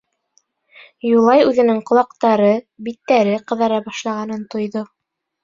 Юлай үҙенең ҡолаҡтары, биттәре ҡыҙара башлағанын тойҙо.